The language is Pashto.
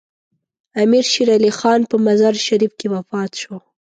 امیر شیر علي خان په مزار شریف کې وفات شو.